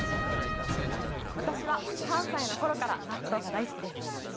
私は３歳の頃から納豆が大好きです。